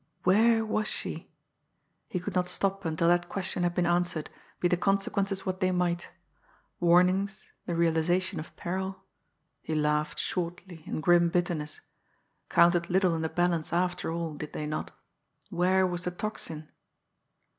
_ Where was she? He could not stop until that question had been answered, be the consequences what they might! Warnings, the realisation of peril he laughed shortly, in grim bitterness counted little in the balance after all, did they not! Where was the Tocsin?